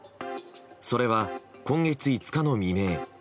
それは今月５日の未明。